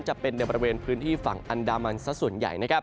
จะเป็นในบริเวณพื้นที่ฝั่งอันดามันสักส่วนใหญ่